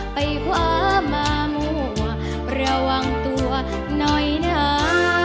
ไปความอางวประวังตัวน้อยน้ำ